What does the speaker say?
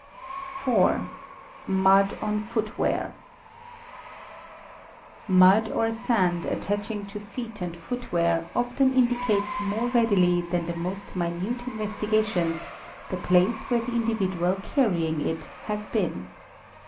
cis 4, Mud on Footwear. ~ Mud or sand attaching to feet and footwear often indicates more readily than the most minute investigations the place where the indivi 'dual carrying it has been.